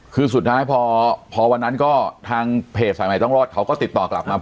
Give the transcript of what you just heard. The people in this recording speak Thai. คือสุดท้ายพอวันนั้นก็ทางเพจสายใหม่ต้องรอดเขาก็ติดต่อกลับมา